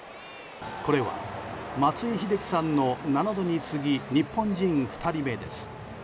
これは松井秀喜さんの７度に次ぎ日本人２人目です。